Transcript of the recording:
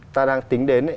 ta đang tính đến